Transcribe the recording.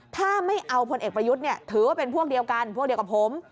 ถ้าไม่เอาพลเอกประยุทธ์ถือว่าเป็นพวกเดียวกันพวกเดียวกับผม